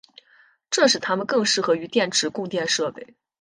这使它们更适合于电池供电设备。